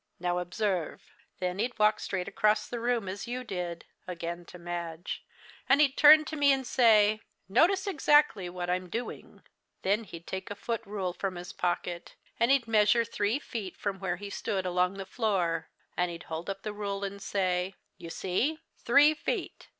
Now observe.' "Then he'd walk straight across the room, as you did," again to Madge "and he'd turn to me and say, 'Notice exactly what I'm doing!' Then he'd take a foot rule from his pocket, and he'd measure three feet from where he stood along the floor. And he'd hold up the rule, and say, 'You see three feet.'